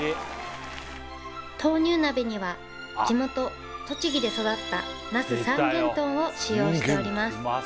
豆乳鍋には地元栃木で育った那須三元豚を使用しております